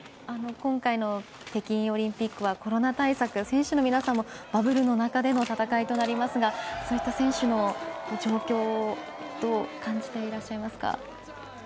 今回の北京オリンピックはコロナ対策選手の皆さんもバブルの中での戦いとなりますがそういった選手の状況どう感じていらっしゃいますか。